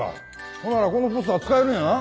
ほんならこのポスター使えるんやな？